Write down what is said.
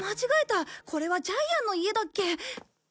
これはジャイアンの家だっけ。